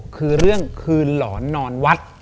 คือเรื่องคืนหลอนนอนวัด